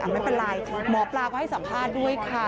ไม่เป็นไรหมอปลาก็ให้สัมภาษณ์ด้วยค่ะ